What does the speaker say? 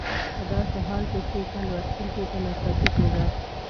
په داسې حال کې چې که لوستونکي په ناڅاپي توګه.